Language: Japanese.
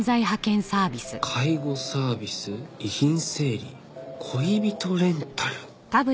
「介護サービス」「遺品整理」「恋人レンタル」。